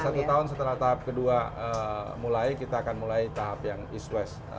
jadi satu tahun setelah tahap kedua mulai kita akan mulai tahap yang east west